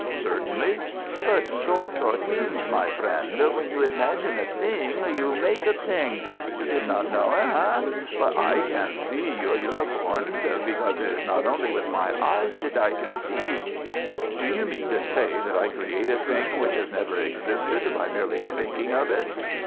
"Certainly." "But thoughts are things, my friend. When you imagine a thing you make a thing. You did not know it, hein? But I can see your unicorns because it is not only with my eye that I can see." "Do you mean to say that I create a thing which has never existed by merely thinking of it?"